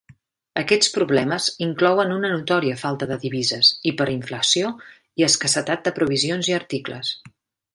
Aquests problemes inclouen una notòria falta de divises, hiperinflació i escassetat de provisions i articles.